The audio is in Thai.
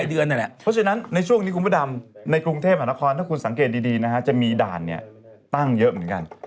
เพราะฉะนั้นในช่วงนี้คุณพระดำในกรุงเทพหานครถ้าคุณสังเกตดีนะฮะจะมีด่านตั้งเยอะเหมือนกัน